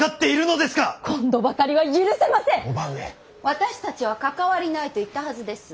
私たちは関わりないと言ったはずです。